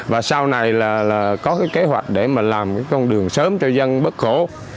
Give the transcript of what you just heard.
và sau này là có cái kế hoạch để mà làm cái con đường sớm cho dân bất khổ